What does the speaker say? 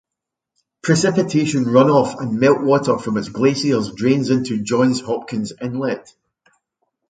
Precipitation runoff and meltwater from its glaciers drains into Johns Hopkins Inlet.